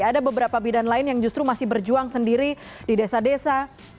ada beberapa bidan lain yang justru masih berjuang sendiri di desa desa